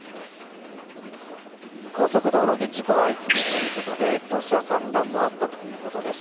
高速道路で事故相次ぐということで土砂散乱もあったということです。